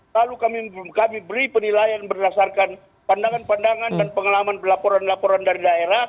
lalu kami beri penilaian berdasarkan pandangan pandangan dan pengalaman pelaporan laporan laporan dari daerah